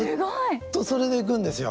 ずっとそれでいくんですよ。